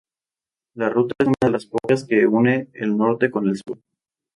Esta ruta es una de las pocas que une el norte con el sur.